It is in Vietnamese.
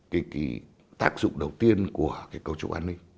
cái tác dụng đầu tiên của cái cấu trúc an ninh